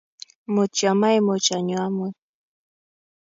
mutyo maimuch anyo omut